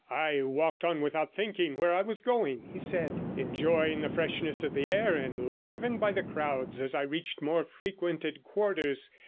'I walked on without thinking where I was going,' he said, 'enjoying the freshness of the air, and livened by the crowds as I reached more frequented quarters.